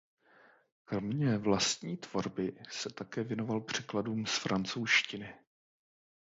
Kromě vlastní tvorby se také věnoval překladům z francouzštiny.